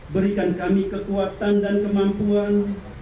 berikan kami kekuatan dan kemampuan